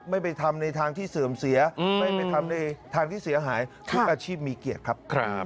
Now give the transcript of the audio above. ไม่ไปทำในทางที่เสื่อมเสียไม่ไปทำในทางที่เสียหายทุกอาชีพมีเกียรติครับ